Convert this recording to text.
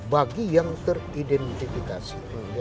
bagi yang teridentifikasi